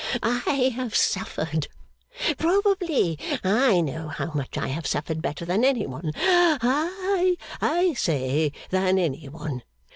'I have suffered. Probably I know how much I have suffered better than any one ha I say than any one!